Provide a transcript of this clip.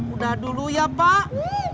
udah dulu ya pak